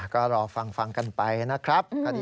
ก็รอฟังกันไปนะครับ